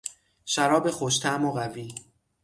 شراب خوشطعم و قوی